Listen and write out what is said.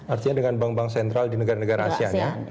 artinya dengan bank bank sentral di negara negara asianya